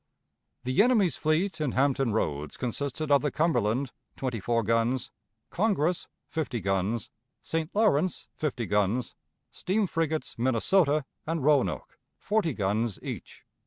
The enemy's fleet in Hampton Roads consisted of the Cumberland, twenty four guns; Congress, fifty guns; St. Lawrence, fifty guns; steam frigates Minnesota and Roanoke, forty guns each.